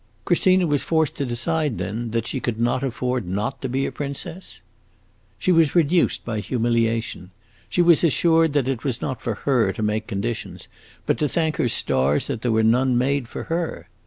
"Christina was forced to decide, then, that she could not afford not to be a princess?" "She was reduced by humiliation. She was assured that it was not for her to make conditions, but to thank her stars that there were none made for her.